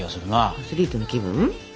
アスリートの気分？